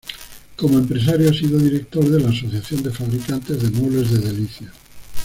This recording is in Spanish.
Como empresario ha sido director de la Asociación de Fabricantes de Muebles de Delicias.